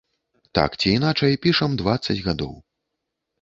Так ці іначай, пішам дваццаць гадоў.